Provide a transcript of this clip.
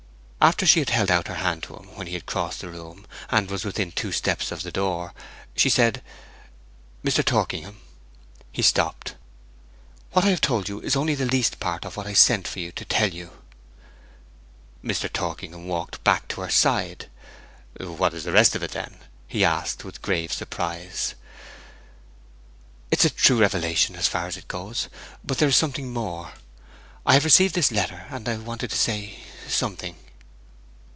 After she had held out her hand to him, when he had crossed the room, and was within two steps of the door, she said, 'Mr. Torkingham.' He stopped. 'What I have told you is only the least part of what I sent for you to tell you.' Mr. Torkingham walked back to her side. 'What is the rest of it, then?' he asked, with grave surprise. 'It is a true revelation, as far as it goes; but there is something more. I have received this letter, and I wanted to say something.'